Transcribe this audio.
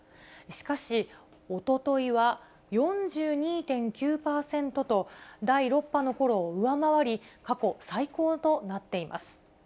しかし、おとといは４２．９％と、第６波のころを上回り、過去最高となっています。